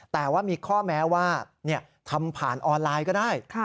แต่ว่ามีข้อแม้ว่าทำผ่านออนไลน์ก็ได้